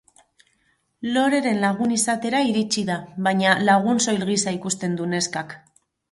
Loreren lagun izatera iritsi da, baina lagun soil gisa ikusten du neskak.